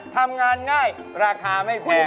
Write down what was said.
ทำงานง่ายราคาไม่แพง